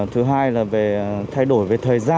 thứ hai là về thay đổi về thời gian